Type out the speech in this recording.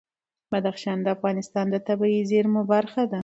بدخشان د افغانستان د طبیعي زیرمو برخه ده.